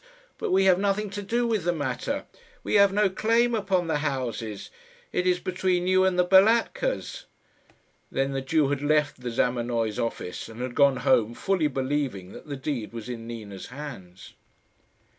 But we have nothing to do with the matter. We have no claim upon the houses. It is between you and the Balatkas." Then the Jew had left the Zamenoys' office, and had gone home, fully believing that the deed was in Nina's hands.